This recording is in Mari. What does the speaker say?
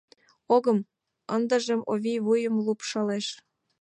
— Огым! — ындыжым Овий вуйым лупшалеш.